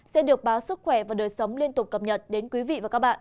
sẽ được báo sức khỏe và đời sống liên tục cập nhật đến quý vị và các bạn